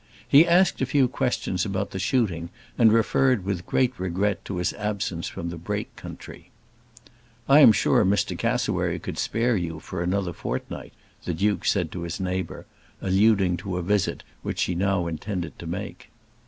He asked a few questions about the shooting, and referred with great regret to his absence from the Brake country. "I am sure Mr. Cassewary could spare you for another fortnight," the Duke said to his neighbour, alluding to a visit which she now intended to make.